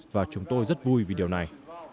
và chúng tôi rất vui vì điều này